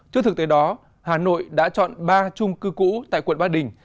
trước thực tế đó hà nội đã chọn ba trung cư cũ tại quận ba đình